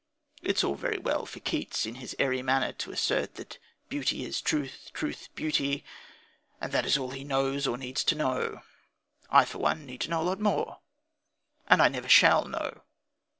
It is all very well for Keats in his airy manner to assert that beauty is truth, truth beauty, and that that is all he knows or needs to know. I, for one, need to know a lot more. And I never shall know.